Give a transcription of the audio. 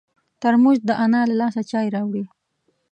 ترموز د انا له لاسه چای راوړي.